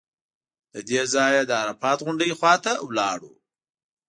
له دې ځایه د عرفات غونډۍ خوا ته لاړو.